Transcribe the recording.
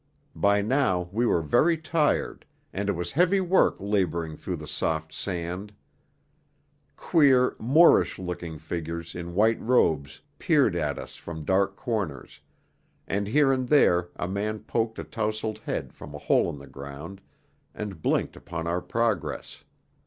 By now we were very tired, and it was heavy work labouring through the soft sand. Queer, Moorish looking figures in white robes peered at us from dark corners, and here and there a man poked a tousled head from a hole in the ground, and blinked upon our progress.